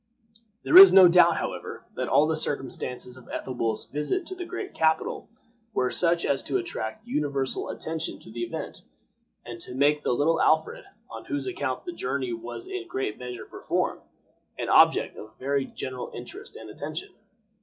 There is no doubt, however, that all the circumstances of Ethelwolf's visit to the great capital were such as to attract universal attention to the event, and to make the little Alfred, on whose account the journey was in a great measure performed, an object of very general interest and attention.